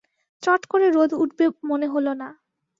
চট করে রোদ উঠবে মনে হলো না।